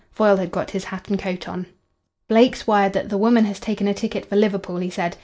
Foyle had got his hat and coat on. "Blake's wired that the woman has taken a ticket for Liverpool," he said.